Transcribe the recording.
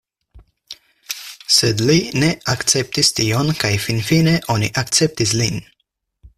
Sed li ne akceptis tion kaj finfine oni akceptis lin.